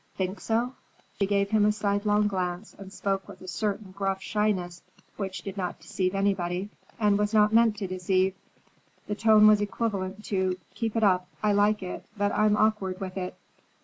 "Think so?" She gave him a sidelong glance and spoke with a certain gruff shyness which did not deceive anybody, and was not meant to deceive. The tone was equivalent to "Keep it up. I like it, but I'm awkward with it."